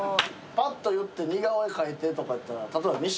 ぱっと言って似顔絵描いてとかっていったら、例えば三島。